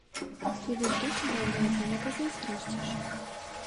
І вось тут ужо ўладзе не пазайздросціш.